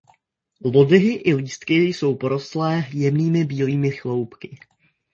Lodyhy i lístky jsou porostlé jemnými bílými chloupky.